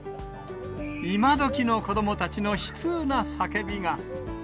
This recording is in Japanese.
今どきの子どもたちの悲痛な叫びが。